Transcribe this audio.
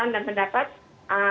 apa tindak laku